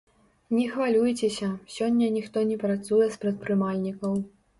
Не хвалюйцеся, сёння ніхто не працуе з прадпрымальнікаў.